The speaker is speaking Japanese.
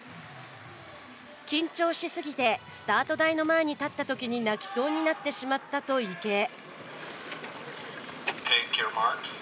緊張しすぎてスタート台の前に立ったときに泣きそうになってしまったと池江。